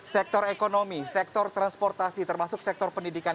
sektor ekonomi sektor transportasi termasuk sektor pendidikan